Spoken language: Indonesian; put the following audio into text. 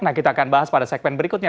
nah kita akan bahas pada segmen berikutnya